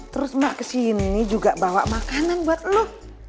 terus mbak kesini juga bawa makanan buat lo